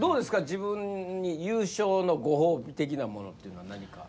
自分に優勝のご褒美的なものって何か。